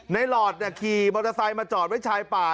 หลอดขี่มอเตอร์ไซค์มาจอดไว้ชายป่า